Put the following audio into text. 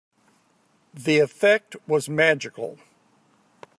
The effect was magical.